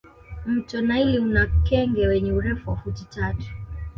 mto naili una kenge wenye urefu wa futi tatu